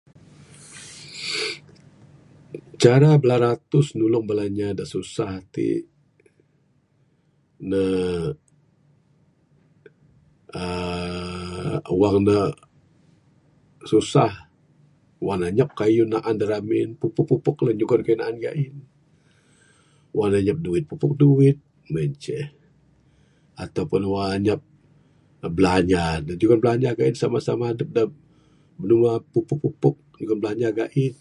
Cara bala ratus nulung bala inya da susah iti, ne uhh awang ne susah. Wang ne anyap kayuh naan da ramin. Pupok pupok lah nyugon kayuh naan ga'in. Wang ne anyap duit, pupok duit. Mung en ceh. Atau pun wang anyap belanja, jugon belanja. Sama sama adup da binua pupok pupok nyugon bilanja ga'in.